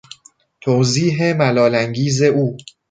توضیح ملالانگیز او